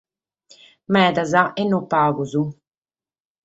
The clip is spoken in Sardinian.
Medas e non pagos.